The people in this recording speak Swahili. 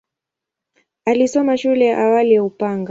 Alisoma shule ya awali ya Upanga.